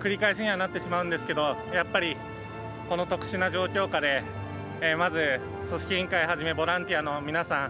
繰り返しにはなってしまうんですけどやっぱり、この特殊な状況下でまず、組織委員会をはじめボランティアの皆さん。